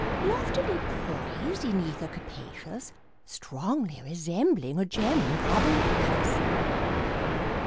Loftily poised in ether capacious, Strongly resembling a gem carbonaceous.